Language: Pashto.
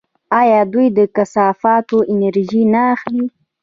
آیا دوی له کثافاتو انرژي نه اخلي؟